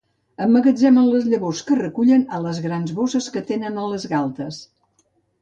Emmagatzemen les llavors que recullen a les grans bosses que tenen a les galtes.